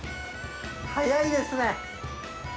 速いですね。